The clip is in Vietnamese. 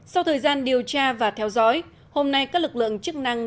sau thời gian điều tra và theo dõi hôm nay các lực lượng chức năng